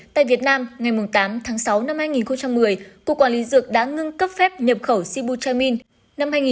tại việt nam ngày tám tháng sáu năm hai nghìn một mươi cục quản lý dược đã ngưng cấp phép nhập khẩu sibuchain